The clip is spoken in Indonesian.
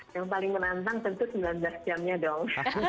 yang paling menantang tentu sembilan belas jamnya dong